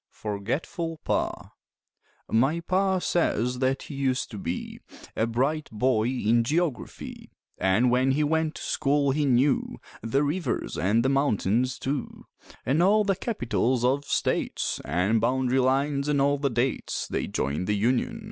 FORGETFUL PA My Pa says that he used to be A bright boy in geography; An' when he went to school he knew The rivers an' the mountains, too, An' all the capitals of states An' bound'ry lines an' all the dates They joined the union.